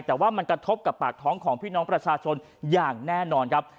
แต่ว่ามันกระทบกับปากท้องของพี่น้องประชาชนอย่างแน่นอนครับ